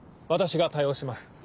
私が対応します。